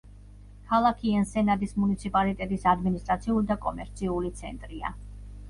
ქალაქი ენსენადის მუნიციპალიტეტის ადმინისტრაციული და კომერციული ცენტრია.